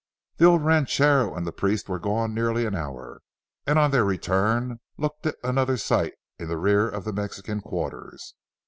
The old ranchero and the priest were gone nearly an hour, and on their return looked at another site in the rear of the Mexican quarters.